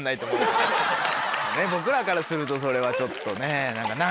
僕らからするとそれはちょっとね。